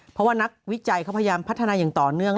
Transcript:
เพราะว่านักวิจัยเขาพยายามพัฒนาอย่างต่อเนื่อง